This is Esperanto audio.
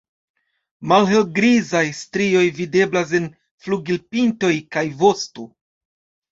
Malhelgrizaj strioj videblas en flugilpintoj kaj vosto.